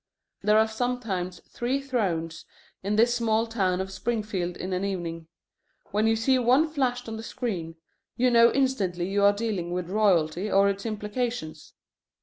There are sometimes three thrones in this small town of Springfield in an evening. When you see one flashed on the screen, you know instantly you are dealing with royalty or its implications.